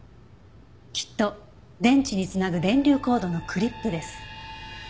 きっと電池に繋ぐ電流コードのクリップです。